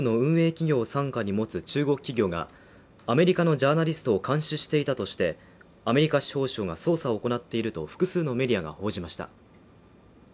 企業を傘下に持つ中国企業がアメリカのジャーナリストを監視していたとしてアメリカ司法省が捜査を行っていると複数のメディアが報じました。